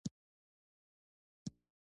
شر د شیطان کار دی